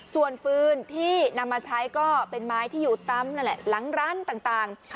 ส่วนฟืนที่นำมาใช้ก็เป็นไม้ที่อยู่ปั๊มนั่นแหละหลังร้านต่าง